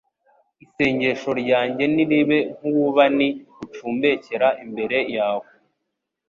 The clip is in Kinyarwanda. Isengesho ryanjye niribe nk’ububani bucumbekera imbere yawe